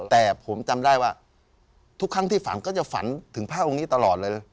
แต่ผมจำได้ว่าทุกครั้งที่ฝันก็จะฝันถึงพระองค์นี้ตลอดเลย